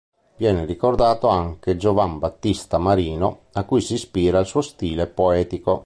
Viene ricordato anche Giovan Battista Marino, a cui si ispira il suo stile poetico.